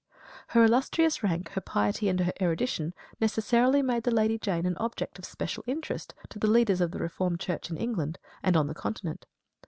Her illustrious rank, her piety and her erudition necessarily made the Lady Jane an object of special interest to the leaders of the Reformed Church in England and on the continent.